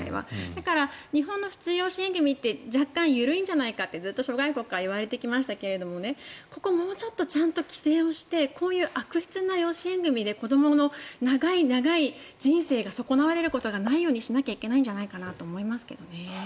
だから日本の普通養子縁組って若干緩いんじゃないかってずっと諸外国から言われてきましたがここをもうちょっとちゃんと規制してこういう悪質な養子縁組で子どもの長い長い人生が損なわれることがないようにしなきゃいけないんじゃないかと思いますけどね。